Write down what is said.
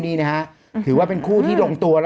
พี่ปั๊ดเดี๋ยวมาที่ร้องให้